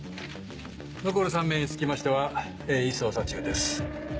残る３名につきましては鋭意捜査中です。